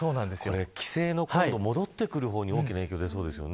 帰省の戻ってくるのに大きな影響が出そうですね。